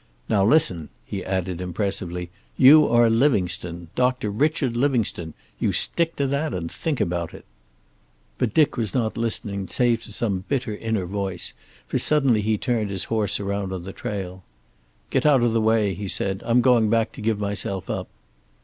Now listen," he added impressively. "You are Livingstone, Doctor Richard Livingstone. You stick to that, and think about it." But Dick was not listening, save to some bitter inner voice, for suddenly he turned his horse around on the trail. "Get out of the way," he said, "I'm going back to give myself up."